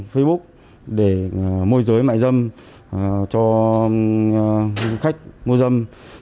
facebook để môi giới mại dâm cho khách mua dâm